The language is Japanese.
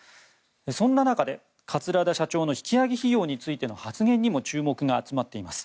そんな中、桂田社長の引き揚げ費用についての発言にも注目が集まっています。